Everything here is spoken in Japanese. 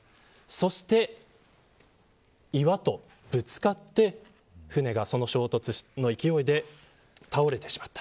そして、岩とぶつかって舟が衝突の勢いで倒れてしまった。